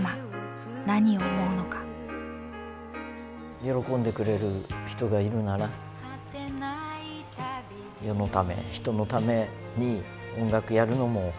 喜んでくれる人がいるなら世のため人のために音楽やるのも悪くないなって思ったんですね。